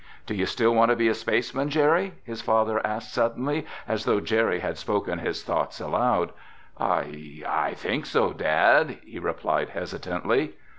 "Do you still want to be a spaceman, Jerry?" his dad asked suddenly, as though Jerry had spoken his thoughts aloud. "I—I think so, Dad," he replied hesitantly.